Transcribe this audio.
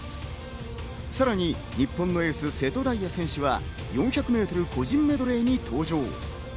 さらに日本のエース・瀬戸大也選手は４００ｍ個人メドレーに登場。